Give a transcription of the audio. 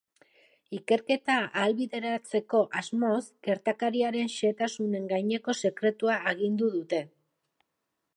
Ikerketa ahalbideratzeko asmoz, gertakariaren xehetasunen gaineko sekretua agindu dute.